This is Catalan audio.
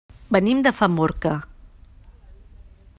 Venim de Famorca.